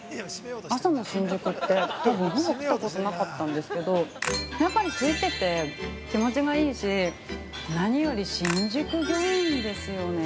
朝の新宿って、多分、ほぼ来た事なかったんですけど、やっぱり空いてて気持ちがいいし何より新宿御苑ですよね。